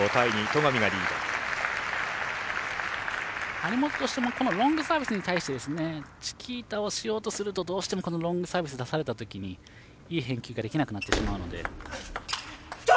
張本としてもこのロングサービスに対してチキータをしようとするとどうしてもロングサービスを出された時にいい返球ができなくなってしまうので。